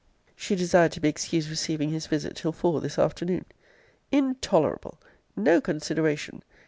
She desired to be excused receiving his visit till four this afternoon. Intolerable! No consideration!